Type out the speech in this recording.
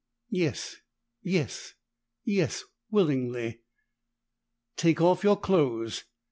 "Yes yes yes! Willingly!" "Take off your clothes!"